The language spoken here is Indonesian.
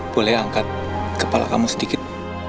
boleh angkat kepala kamu sedikit